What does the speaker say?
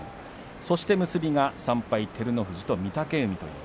そして結びが３敗照ノ富士と御嶽海。